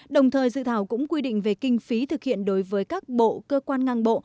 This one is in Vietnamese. đồng thời dự thảo cũng quy định về kinh phí thực hiện đối với các bộ cơ quan ngang bộ